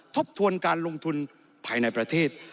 ทบทวนการลงทุนภายในประเทศ